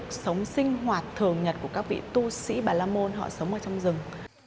cục sống sinh hoạt thường nhật của các vị tu sĩ bà lam môn họ sống ở trong rừng